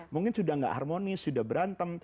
mungkin sudah tidak harmonis sudah berantem